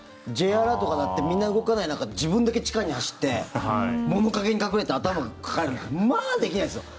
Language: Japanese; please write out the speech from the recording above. Ｊアラートが鳴ってみんな動かない中で自分だけ地下に走って物陰に隠れて頭抱えるってまあ、できないですよ。